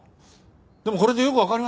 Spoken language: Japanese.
でもこれでよくわかりました。